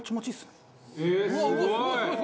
すごい！